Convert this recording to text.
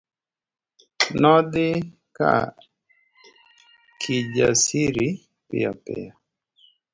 Nodhi ka Kijasiri piyopiyo.